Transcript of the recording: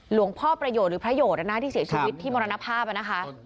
หลวงพ่อประโยชน์หรือพระโยชน์ในหน้าที่เสียชีวิตที่มรณภาพนะคะ